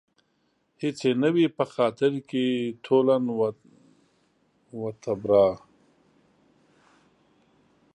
هېڅ يې نه وي په خاطر کې تولاً و تبرا